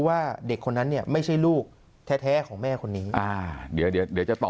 ว่าเด็กคนนั้นเนี่ยไม่ใช่ลูกแท้ของแม่คนนี้เดี๋ยวจะต่อ